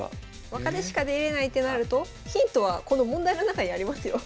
若手しか出れないってなるとヒントはこの問題の中にありますよ。